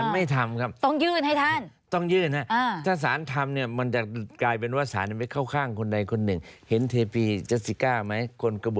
ไม่ได้ศาลไม่ทำครับ